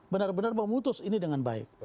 benar benar memutus ini dengan baik